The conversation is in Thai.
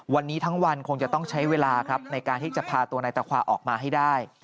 วันนี้ทั้งวันคงจะต้องใช้เวลาครับในการที่จะพาตัวนายตะควาออกมาให้ได้